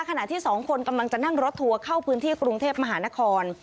ขณะที่สองคนกำลังจะนั่งรถทัวร์เข้าพื้นที่กรุงเทพมหานคร